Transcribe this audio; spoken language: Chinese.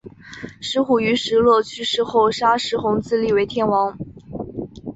石虎于石勒去世后杀石弘自立为天王。